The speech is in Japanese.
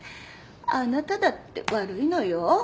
あなただって悪いのよ。